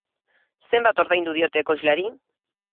Zenbat ordaindu diote ekoizleari?